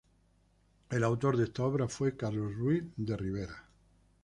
El autor de esta obra fue Carlos Luis de Ribera.